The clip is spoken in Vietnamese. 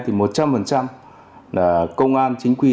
thì một trăm linh là công an chính quy